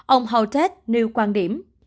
ông holtet nêu quan điểm